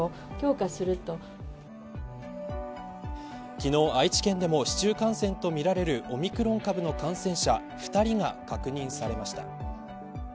昨日、愛知県でも市中感染とみられるオミクロン株の感染者２人が確認されました。